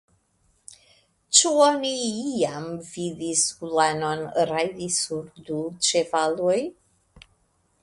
Ĉu oni iam vidis ulanon rajdi sur du ĉevaloj!